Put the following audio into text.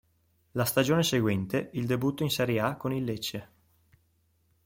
La stagione seguente il debutto in serie A con il Lecce.